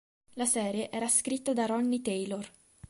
La serie era scritta da Ronnie Taylor.